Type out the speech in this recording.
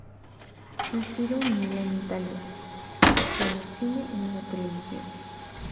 Nacido en Milán, Italia, actuó en el cine y en la televisión.